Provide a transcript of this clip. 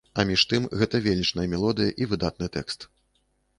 А між тым, гэта велічная мелодыя і выдатны тэкст.